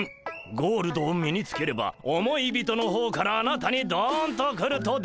ゴールドを身につければ思い人の方からあなたにどんと来ると出ています。